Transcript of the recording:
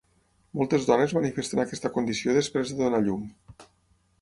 Moltes dones manifesten aquesta condició després de donar a llum.